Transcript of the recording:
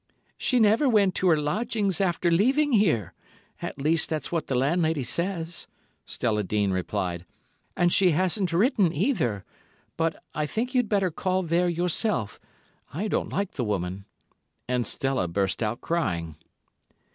"She never went to her lodgings after leaving here; at least, that's what the landlady says," Stella Dean replied. "And she hasn't written, either—but I think you'd better call there yourself; I don't like the woman." And Stella burst out crying.